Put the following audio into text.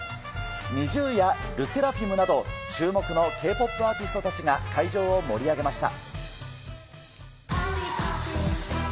ＮｉｚｉＵやＬＥＳＳＥＲＡＦＩＭなど注目のＫ−ＰＯＰアーティストたちが会場を盛り上げました。